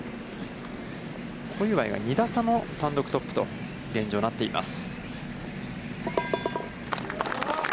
小祝が２打差の単独トップと現状、なっています。